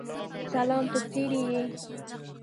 سلام ته څرې یې؟